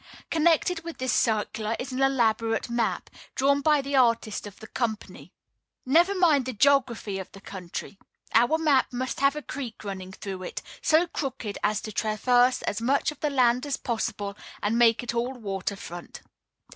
Connected with this circular is an elaborate map, drawn by the artist of the company. Never mind the geography of the country. Our map must have a creek running through it, so crooked as to traverse as much of the land as possible, and make it all water front.